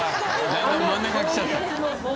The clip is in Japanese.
真ん中来ちゃった。